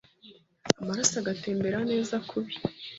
amaraso agatembera neza kubi